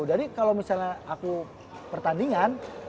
jadi kalau misalnya aku pertandingan